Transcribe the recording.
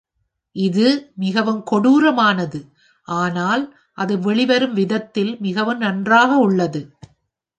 இது மிகவும் கொடூரமானது, ஆனால் அது வெளிவரும் விதத்தில் மிகவும் நன்றாக உள்ளது.